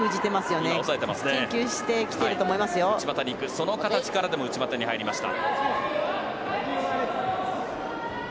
その形からでも内股に入りました。